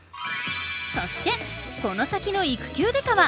そしてこの先の「育休刑事」は。